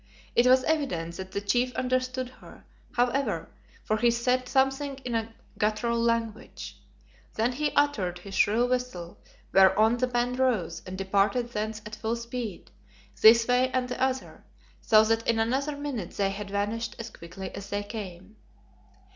It was evident that the chief understood her, however, for he said something in a guttural language. Then he uttered his shrill whistle, whereon the band rose and departed thence at full speed, this way and the other, so that in another minute they had vanished as quickly as they came.